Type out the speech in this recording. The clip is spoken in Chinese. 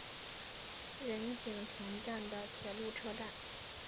仁井田站的铁路车站。